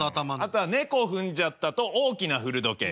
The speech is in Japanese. あとは「ねこふんじゃった」と「大きな古時計」。